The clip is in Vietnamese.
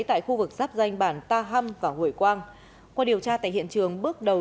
tại khu vực giáp danh bản ta hâm và hủy quang qua điều tra tại hiện trường bước đầu